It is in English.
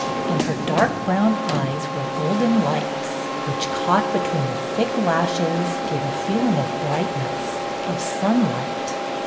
In her dark brown eyes were golden lights which, caught between the thick lashes, gave a feeling of brightness, of sun light.